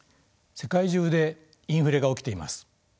世界中でインフレが起きています。